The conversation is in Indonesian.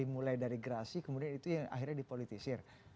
mulai dari gerasi kemudian itu yang akhirnya dipolitisir